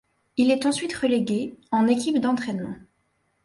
Il est ensuite relégué en équipe d'entraînement.